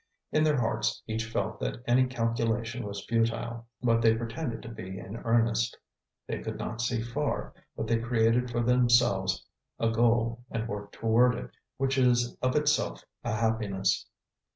In their hearts each felt that any calculation was futile, but they pretended to be in earnest. They could not see far, but they created for themselves a goal and worked toward it, which is of itself a happiness.